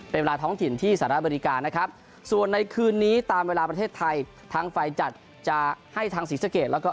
เป็นเวลาท้องถิ่นที่สหรัฐอเมริกานะครับส่วนในคืนนี้ตามเวลาประเทศไทยทางไฟจัดจะให้ทางศรีสะเกดแล้วก็